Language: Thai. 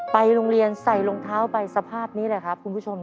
ไปโรงเรียนใส่รองเท้าไปสภาพนี้แหละครับคุณผู้ชม